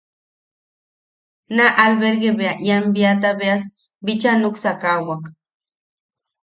Naa albergue bea ian biata beaj bicha nuksakawak.